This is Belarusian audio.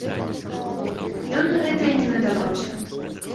Ён на гэтае не надаваўся.